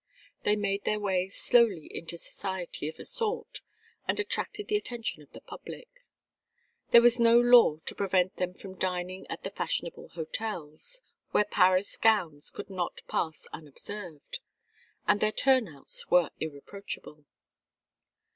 They made their way slowly into society of a sort, and attracted the attention of the public. There was no law to prevent them from dining at the fashionable hotels, where Paris gowns could not pass unobserved; and their turnouts were irreproachable.